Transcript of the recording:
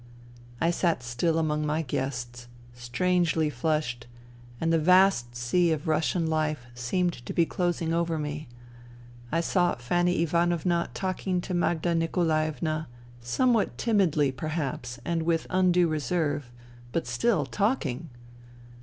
I sat still among my guests, strangely flushed, and the vast sea of Russian life seemed to be closing over me. I saw Fanny Ivanovna talking to Magda Nikolaevna, somewhat timidly perhaps and with undue reserve, but still talking